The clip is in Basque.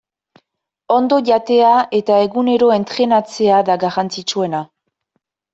Ondo jatea eta egunero entrenatzea da garrantzitsuena.